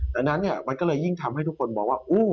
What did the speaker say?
ดังนั้นมันก็เลยยิ่งทำให้ทุกคนมองว่า